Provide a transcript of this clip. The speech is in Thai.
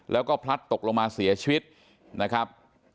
แล้วก็พลัดตกลงมาเสียชีวิตนะครับ